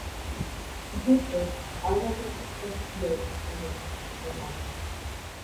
In his work, Alhazen discussed theories on the motion of a body.